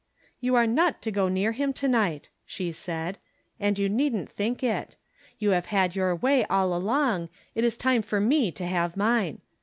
" You are not to go near him to night," she said ;" and you needn't tliink it. You have had your way all along ; it is time for me to have mine.